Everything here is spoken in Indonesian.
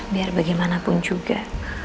biar bagaimanapun juga